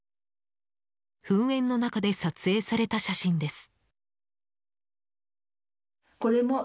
噴煙の中で撮影された写真です。